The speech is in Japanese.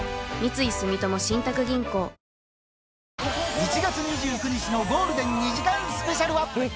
１月２９日のゴールデン２時間スペシャルは。